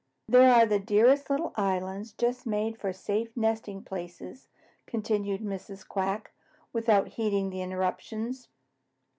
"There are the dearest little islands just made for safe nesting places," continued Mrs. Quack, without heeding the interruptions.